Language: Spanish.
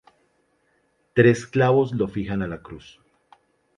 Tres clavos lo fijan a la cruz.